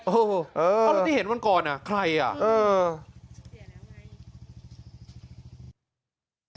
โอ้โฮตอนที่เห็นวันก่อนอ่ะใครอ่ะ